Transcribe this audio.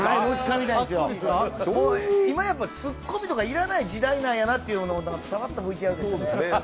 今やっぱツッコミとか要らない時代なんやなって、伝わったＶＴＲでしたね。